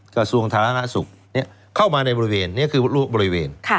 กระทรวงสาธารณสุขเข้ามาในบริเวณนี้คือบริเวณ